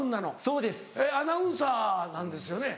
アナウンサーなんですよね？